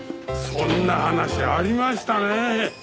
そんな話ありましたね。